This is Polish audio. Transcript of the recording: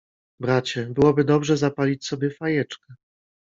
— Bracie, byłoby dobrze zapalić sobie fajeczkę.